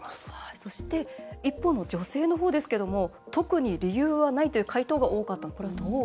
そして、一方の女性の方ですけども特に理由はないという回答が多かった。